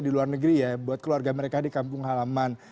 di luar negeri ya buat keluarga mereka di kampung halaman